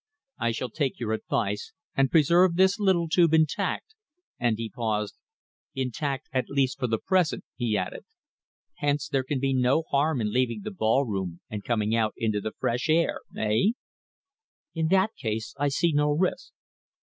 "I shall take your advice and preserve this little tube intact," and he paused, "intact at least for the present," he added. "Hence there can be no harm in leaving the ballroom and coming out into the fresh air eh?" "In that case I see no risk."